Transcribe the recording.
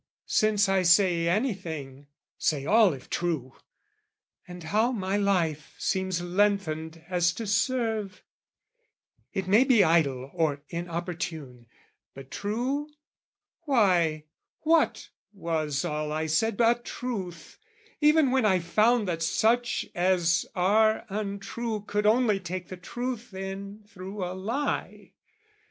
Since I say anything, say all if true! And how my life seems lengthened as to serve! It may be idle or inopportune, But, true? why, what was all I said but truth, Even when I found that such as are untrue Could only take the truth in through a lie?